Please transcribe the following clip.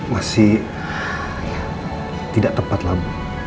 masih tidak tepat lah